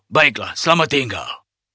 baiklah selamat tinggal